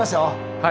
はい。